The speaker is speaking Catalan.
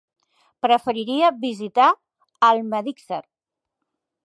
Preferiria visitar Almedíxer.